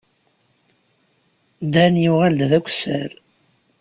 Dan yuɣal-d d akessar.